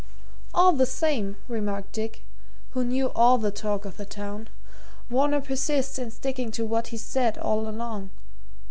"All the same," remarked Dick, who knew all the talk of the town, "Varner persists in sticking to what he's said all along.